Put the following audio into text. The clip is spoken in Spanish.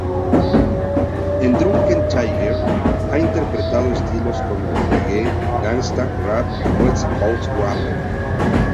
En Drunken Tiger, ha interpretado estilos como reggae, gangsta rap y West Coast rap.